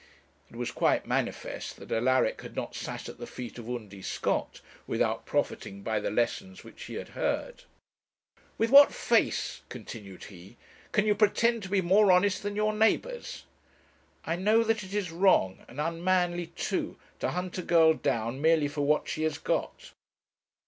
It was quite manifest that Alaric had not sat at the feet of Undy Scott without profiting by the lessons which he had heard. 'With what face,' continued he, 'can you pretend to be more honest than your neighbours?' 'I know that it is wrong, and unmanly too, to hunt a girl down merely for what she has got.'